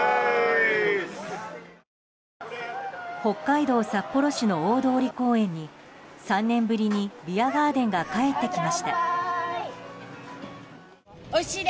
北海道札幌市の大通公園に３年ぶりにビアガーデンが返ってきました。